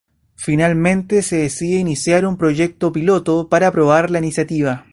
Finalmente se decide iniciar un proyecto piloto para probar la iniciativa.